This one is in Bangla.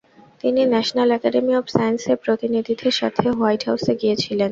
তিনি ন্যাশনাল একাডেমি অফ সায়েন্সের প্রতিনিধিদের সাথে হোয়াইট হাউসে গিয়েছিলেন।